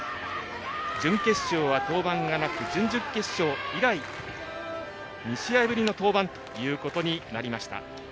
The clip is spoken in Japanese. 準決勝は登板がなく準々決勝以来２試合ぶりの登板となりました。